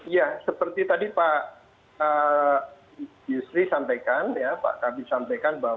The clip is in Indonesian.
ya seperti tadi pak yusri sampaikan ya pak kabi sampaikan